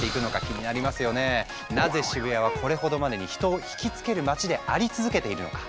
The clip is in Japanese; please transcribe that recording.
なぜ渋谷はこれほどまでに人を引きつける街であり続けているのか？